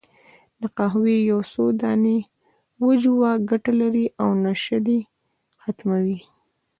د قهوې یو څو دانې وژووه، ګټه لري، او نشه دې ختمه وي.